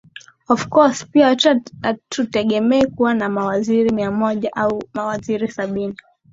of course pia hatutegemei kuwa na mawaziri mia moja au mawaziri sabini